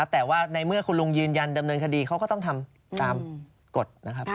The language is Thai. แต่ว่าในเมื่อคุณลุงยืนยันดำเนินคดีเขาก็ต้องทำตามกฎนะครับ